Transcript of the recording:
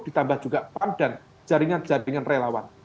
ditambah juga pan dan jaringan jaringan relawan